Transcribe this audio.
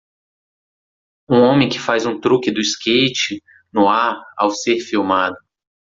Um homem que faz um truque do skate no ar ao ser filmado.